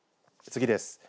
次です。